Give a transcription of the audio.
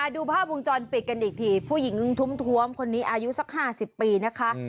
ดูภาพวงจรปิดกันอีกทีผู้หญิงทุ่มคนนี้อายุสัก๕๐ปีนะคะ